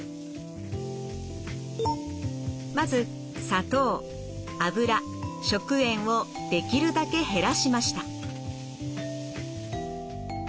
まず砂糖油食塩をできるだけ減らしました。